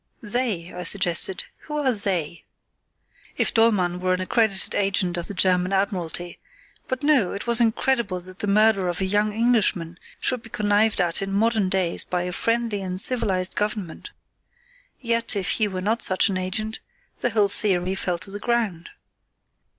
"They," I suggested. "Who are 'they'? Who are our adversaries?" If Dollmann were an accredited agent of the German Admiralty—— But, no, it was incredible that the murder of a young Englishman should be connived at in modern days by a friendly and civilised government! Yet, if he were not such an agent, the whole theory fell to the ground.